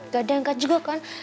gak ada yang angkat juga kan